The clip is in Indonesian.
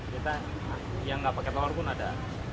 kita yang gak pake telur pun ada